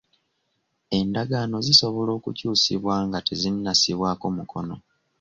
Endagaano zisobola okukyusibwa nga tezinnassibwako mukono.